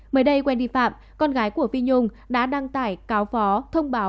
mới đây wendy phạm con gái của phi nhung đã đăng tải cáo phó thông báo